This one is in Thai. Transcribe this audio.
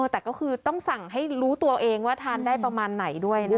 แต่ก็คือต้องสั่งให้รู้ตัวเองว่าทานได้ประมาณไหนด้วยนะคะ